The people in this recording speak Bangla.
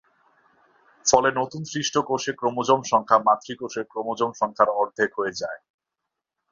ফলে নতুন সৃষ্ট কোষে ক্রোমোজোম সংখ্যা মাতৃকোষের ক্রোমোজোম সংখ্যার অর্ধেক হয়ে যায়।